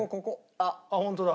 あっホントだ。